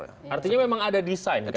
artinya memang ada desain kan itu